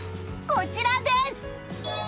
こちらです！